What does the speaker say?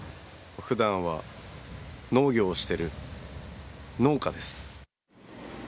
普段は農業をしている農家です。